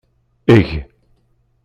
Eg.